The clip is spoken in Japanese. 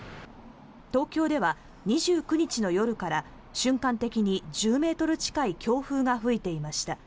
東京では２９日の夜から瞬間的に１０ｍ近い強風が吹いていました。